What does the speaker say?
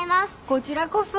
こちらこそ。